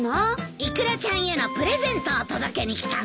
イクラちゃんへのプレゼントを届けに来たんだ。